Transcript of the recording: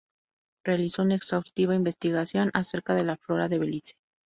Realizó una exhaustiva investigación acerca de la flora de Belice.